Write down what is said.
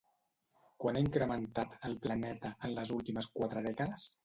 Quant ha incrementat, el planeta, en les últimes quatre dècades?